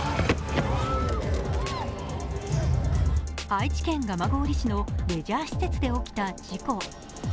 愛知県蒲郡市のレジャー施設で起きた事故。